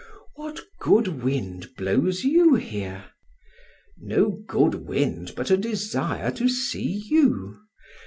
"What good wind blows you here?" "No good wind, but a desire to see you.